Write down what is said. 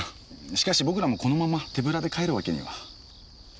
しかし僕らもこのまま手ぶらで帰るわけには。